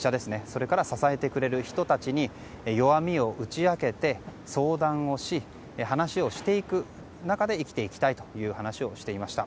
それから、支えてくれる人たちに弱みを打ち明けて相談し話をしていく中で生きていきたいという話をしていました。